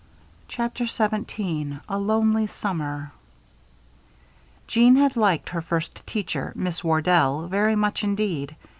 CHAPTER XVII A LONELY SUMMER Jeanne had liked her first teacher, Miss Wardell, very much indeed.